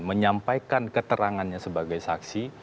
menyampaikan keterangannya sebagai saksi